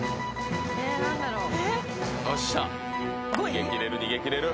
逃げ切れる逃げ切れる。